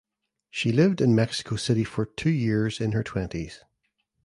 She lived in Mexico City for two years in her twenties.